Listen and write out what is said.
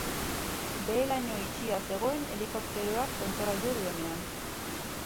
Behe-laino itxia zegoen helikopteroak tontorra jo duenean.